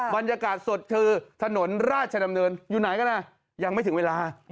บรรยากาศสดคือถนนราชดำเนินอยู่ไหนก็ได้ยังไม่ถึงเวลา